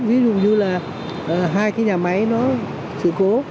ví dụ như là hai cái nhà máy nó sự cố